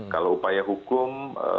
kalau upaya hukum